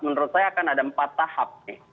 menurut saya akan ada empat tahap